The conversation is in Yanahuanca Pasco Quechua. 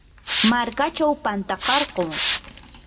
markachaw pantakarquu.